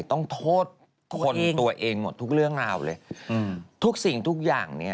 โอเคค่ะค่ะ